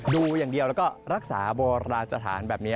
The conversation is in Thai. ดูอย่างเดียวแล้วก็รักษาโบราณสถานแบบนี้